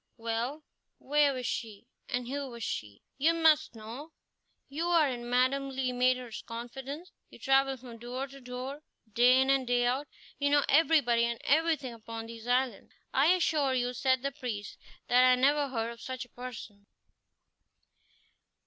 "Well, where was she, and who was she?" "You must know: you are in Madame Le Maître's confidence; you travel from door to door, day in and day out; you know everybody and everything upon these islands." "I assure you," said the priest, "that I never heard of such a person."